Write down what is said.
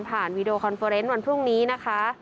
วีดีโอคอนเฟอร์เนสวันพรุ่งนี้นะคะ